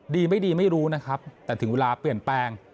ดีไม่ดีไม่รู้นะครับแต่ถึงเวลาเปลี่ยนแปลง